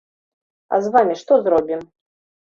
А з вамі што зробім?